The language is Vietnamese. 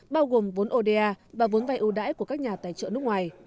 bao gồm vốn oda và vốn vai yêu đãi của các nhà tài trợ nước ngoài